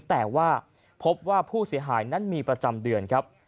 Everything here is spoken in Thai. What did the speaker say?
แต่ว่าพบว่าผู้เสียหายนั้นมีประจำเดือนครับ